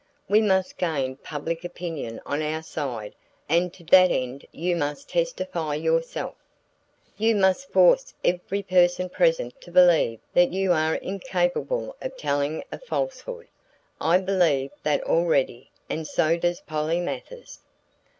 We must gain public opinion on our side and to that end you must testify yourself. You must force every person present to believe that you are incapable of telling a falsehood I believe that already and so does Polly Mathers."